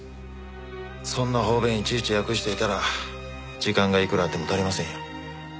そんな方便いちいち訳していたら時間がいくらあっても足りませんよ。